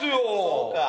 そうか？